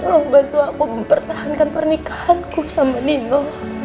tolong bantu aku mempertahankan pernikahanku sama nino